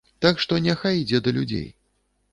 Так што няхай ідзе да людзей.